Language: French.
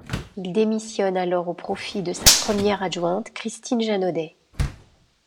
Il démissionne alors au profit de sa première adjointe, Christine Janodet.